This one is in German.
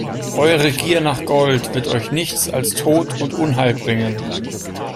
Eure Gier nach Gold wird euch nichts als Tod und Unheil bringen!